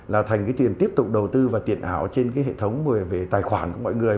là thành cái tiền tiếp tục đầu tư vào tiền ảo trên cái hệ thống về tài khoản của mọi người